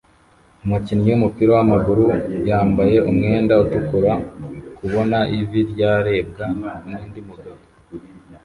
umukinnyi wumupira wamaguru yambaye umwenda utukura kubona ivi ryarebwa nundi mugabo